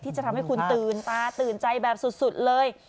ที่จะทำให้คุณตื่นตาตื่นใจแบบสุดเลย